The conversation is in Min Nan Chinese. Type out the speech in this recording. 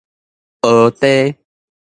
蚵炱